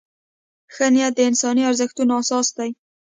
ښه نیت د انساني ارزښتونو اساس دی.